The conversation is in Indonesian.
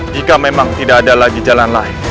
jika memang tidak ada lagi jalan lain